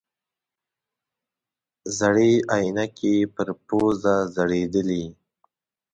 زړې عینکې یې پر پوزه ځړېدلې.